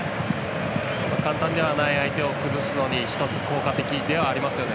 簡単ではない相手を崩すのに一つ効果的ではありますね